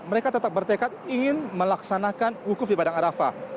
mereka tetap bertekad ingin melaksanakan wukuf di padang arafah